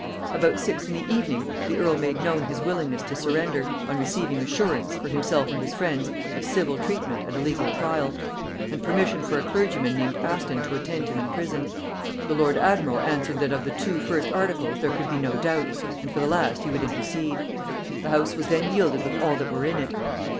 About six in the evening the earl made known his willingness to surrender, on receiving assurance, for himself and his friends, of civil treatment and a legal trial; and permission for a clergyman named Aston to attend him in prison: the lord admiral answered that of the two first articles there could be no doubt, and for the last he would intercede. The house was then yielded with all that were in it.